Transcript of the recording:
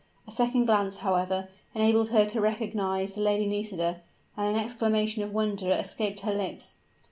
A second glance, however, enabled her to recognize the Lady Nisida; and an exclamation of wonder escaped her lips.